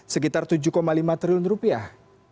sekitar tujuh lima triliun rupiah